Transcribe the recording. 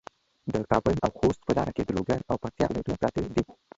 د کابل او خوست په لاره کې د لوګر او پکتیا ولایتونه پراته دي.